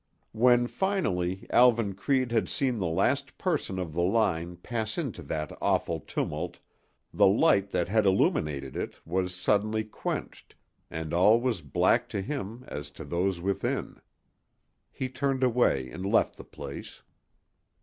When, finally, Alvan Creede had seen the last person of the line pass into that awful tumult the light that had illuminated it was suddenly quenched and all was as black to him as to those within. He turned away and left the place.